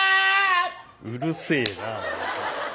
うるせえな！